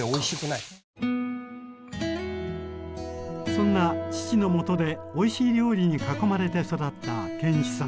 そんな父のもとでおいしい料理に囲まれて育った建一さん。